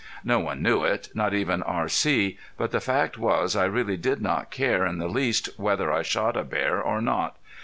No one knew it, not even R.C., but the fact was I really did not care in the least whether I shot a bear or not.